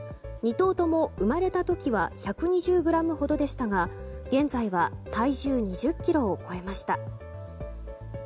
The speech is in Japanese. ２頭とも生まれた時は１２０ｇほどでしたが現在は体重２０ｋｇを超えました。